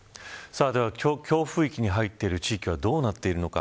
今日、強風域に入っている地域はどうなってるのか。